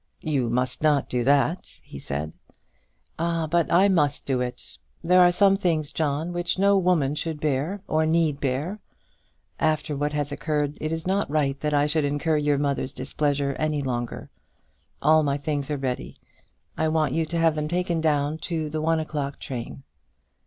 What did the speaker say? "You must not do that," he said. "Ah, but I must do it. There are some things John, which no woman should bear or need bear. After what has occurred it is not right that I should incur your mother's displeasure any longer. All my things are ready. I want you to have them taken down to the one o'clock train."